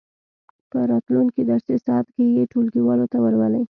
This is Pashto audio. په راتلونکې درسي ساعت کې یې ټولګیوالو ته ولولئ.